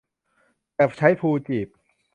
แบบใช้พลูจีบ